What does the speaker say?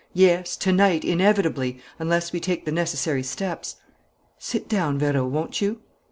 Yes, to night, inevitably, unless we take the necessary steps." "Sit down, Vérot, won't you?"